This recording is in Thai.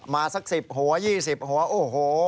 สัก๑๐หัว๒๐หัวโอ้โห